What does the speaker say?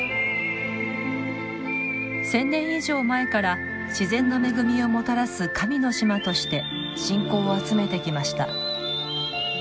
１，０００年以上前から自然の恵みをもたらす神の島として信仰を集めてきました。